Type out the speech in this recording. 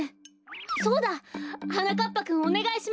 そうだ！はなかっぱくんおねがいします！